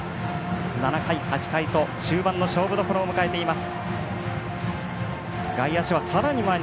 ７回、８回と終盤の勝負どころを迎えています。